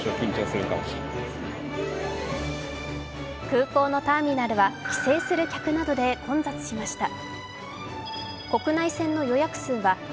空港のターミナルは帰省する客などで混雑しました。